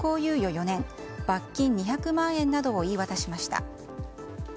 ４年罰金２００万円などを言い渡しました。